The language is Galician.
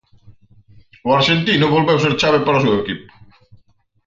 O arxentino volveu ser chave para o seu equipo.